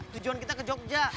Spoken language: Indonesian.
tujuan kita ke jogja